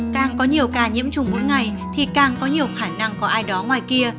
càng có nhiều ca nhiễm trùng mỗi ngày thì càng có nhiều khả năng có ai đó ngoài kia